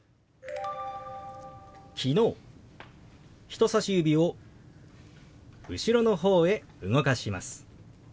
人さし指を後ろのほうへ動かします。